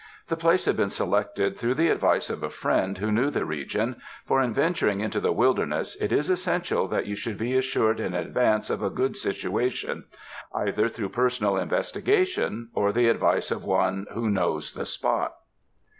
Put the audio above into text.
The place had been selected through the advice of a friend who knew the region, for in venturing into the wilderness it is essential that you should be assured in advance of a good situa tion, either through personal investigation or the advice of one who knows the spot.